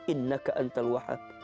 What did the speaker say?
innaka antal wahab